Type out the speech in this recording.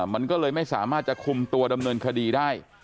มันก็เลยไม่สามารถจะคุมตัวดำเนินคดีได้